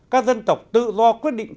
các dân tộc tự do quyết định